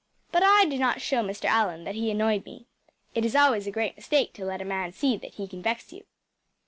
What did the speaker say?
But I did not show Mr. Allan that he annoyed me. It is always a great mistake to let a man see that he can vex you.